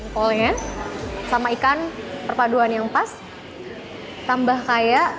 kolen sama ikan perpaduan yang pas tambah kaya